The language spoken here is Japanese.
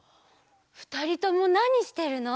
ふたりともなにしてるの？